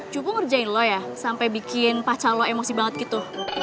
cupu ngerjain lo ya sampe bikin pacar lo emosi banget gitu